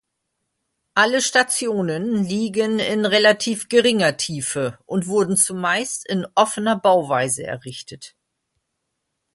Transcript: Alle Stationen liegen in relativ geringer Tiefe und wurden zumeist in offener Bauweise errichtet.